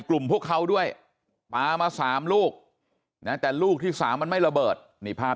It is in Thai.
กลุ่มพวกเขาด้วยปลามา๓ลูกนะแต่ลูกที่สามมันไม่ระเบิดนี่ภาพ